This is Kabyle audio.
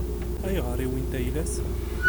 Ayɣer i wwint ayla-s?